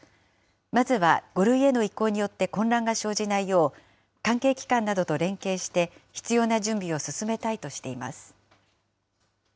まずは５類への移行によって混乱が生じないよう、関係機関などと連携して、必要な準備を進めたいとしています。